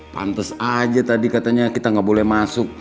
pantes aja tadi katanya kita nggak boleh masuk